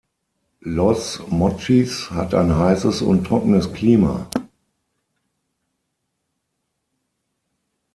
Los Mochis hat ein heißes und trockenes Klima.